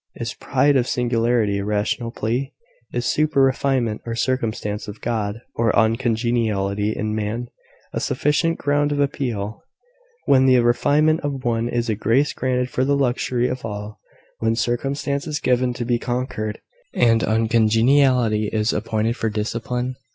Is pride of singularity a rational plea? Is super refinement, or circumstance of God, or uncongeniality in man, a sufficient ground of appeal, when the refinement of one is a grace granted for the luxury of all, when circumstance is given to be conquered, and uncongeniality is appointed for discipline?